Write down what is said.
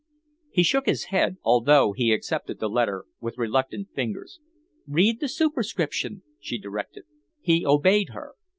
He shook his head, although he accepted the letter with reluctant fingers. "Read the superscription," she directed. He obeyed her.